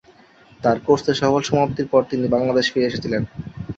তার কোর্সের সফল সমাপ্তির পর তিনি বাংলাদেশে ফিরে এসেছিলেন।